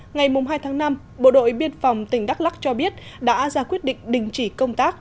ngày hai tháng năm bộ đội biên phòng tỉnh đắk lắc cho biết đã ra quyết định đình chỉ công tác